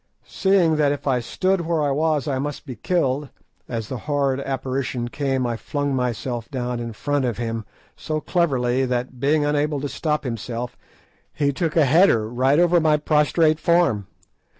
Seeing that if I stood where I was I must be killed, as the horrid apparition came I flung myself down in front of him so cleverly that, being unable to stop himself, he took a header right over my prostrate form.